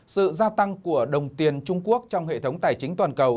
sự gia tăng của đồng tiền trung quốc trong hệ thống tài chính toàn cầu